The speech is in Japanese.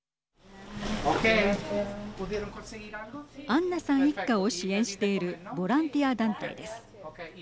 アンナさん一家を支援しているボランティア団体です。